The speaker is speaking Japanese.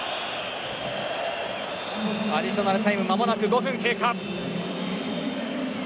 アディショナルタイムまもなく５分経過。